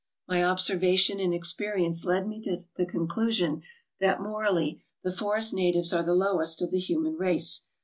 My observation and experience led me to the conclusion that morally, the forest natives are the lowest of the human race.